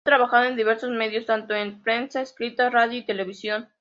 Ha trabajado en diversos medios, tanto en prensa escrita, radio y televisión.